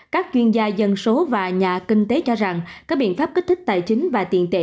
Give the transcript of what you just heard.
các chuyên gia dân số và nhà kinh tế cho rằng các biện pháp kích thích tài chính và tiền tệ